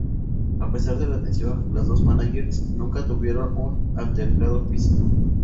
A pesar de la tensión, las dos mánagers nunca tuvieron un altercado físico.